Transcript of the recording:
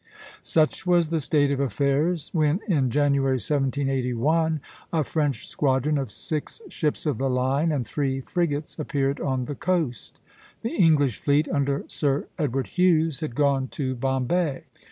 Such was the state of affairs when, in January, 1781, a French squadron of six ships of the line and three frigates appeared on the coast. The English fleet under Sir Edward Hughes had gone to Bombay.